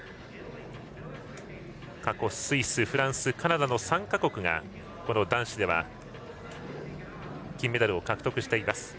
過去スイス、フランス、カナダの３か国が男子では金メダルを獲得してます。